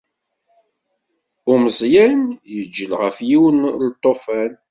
Umeẓyan, yeǧǧel ɣef yiwen n lṭufan.